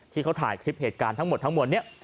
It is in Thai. ที่เขาถ่ายคลิปเหตุการณ์ทั้งหมดทั้งมวลนี้